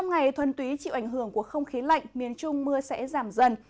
ngày thuần túy chịu ảnh hưởng của không khí lạnh miền trung mưa sẽ giảm dần